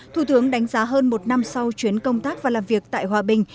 thủ tướng đánh giá hơn một năm sau chuyến công tác và làm việc tại hòa bình